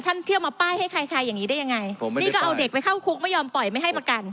เที่ยวมาป้ายให้ใครใครอย่างนี้ได้ยังไงนี่ก็เอาเด็กไปเข้าคุกไม่ยอมปล่อยไม่ให้ประกัน